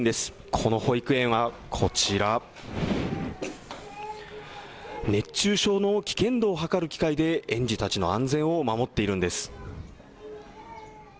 この保育園は、こちら、熱中症の危険度を測る器械で園児たちの安全を守っているんです。